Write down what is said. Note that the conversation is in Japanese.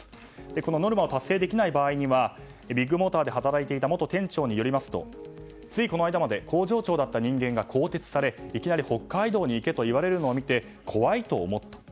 このノルマを達成できない場合にはビッグモーターで働いていた元店長によりますとついこの間まで工場長だった人間が更迭されいきなり北海道に行けと言われるのを見て怖いと思った。